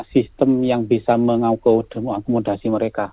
sistem yang bisa mengakomodasi mereka